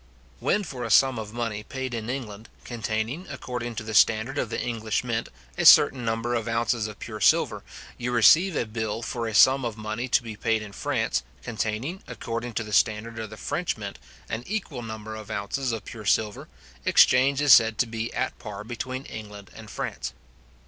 When for a sum or money paid in England, containing, according to the standard of the English mint, a certain number of ounces of pure silver, you receive a bill for a sum of money to be paid in France, containing, according to the standard of the French mint, an equal number of ounces of pure silver, exchange is said to be at par between England and France.